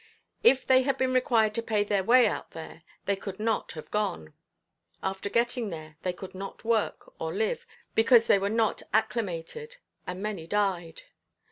If they had been required to pay their way out there, they could not have gone. After getting there they could not work or live, because they were not acclimated, and many died.